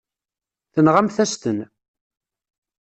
Tenɣamt-as-ten.